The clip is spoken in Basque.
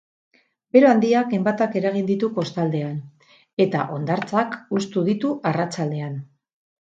Bero handiak enbatak eragin ditu kostaldean, eta hondartzak hustu ditu arratsaldean.